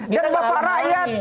dan bapak rakyat